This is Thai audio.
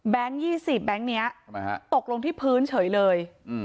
๒๐แบงค์นี้ตกลงที่พื้นเฉยเลย